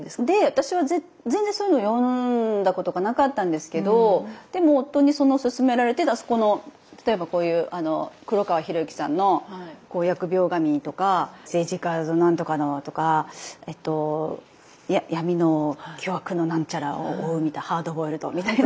私は全然そういうのを読んだことがなかったんですけどでも夫にすすめられてこの例えばこういう黒川博行さんの「疫病神」とか政治家何とかのとか闇の巨悪の何ちゃらを追うみたいなハードボイルドみたいな。